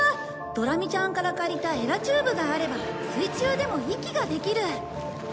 ドラミちゃんから借りたエラチューブがあれば水中でも息ができる。